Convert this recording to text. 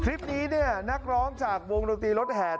คลิปนี้เนี่ยนักร้องจากวงดนตรีรถแหด